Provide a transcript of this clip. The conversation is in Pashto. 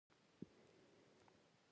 حال دا چې نورې ډلې له مسلمانانو جوړ وي.